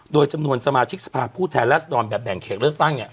โดยจำนวนสมาชิกสภาพผู้แทนรัศดรแบบแบ่งเขตเลือกตั้งเนี่ย